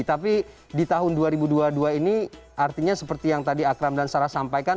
tapi di tahun dua ribu dua puluh dua ini artinya seperti yang tadi akram dan sarah sampaikan